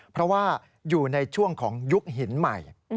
เพราะว่าอยู่ในช่วงของยุคหินใหม่